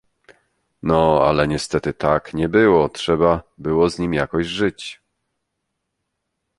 "No, ale niestety tak nie było, trzeba było z nim jakoś żyć."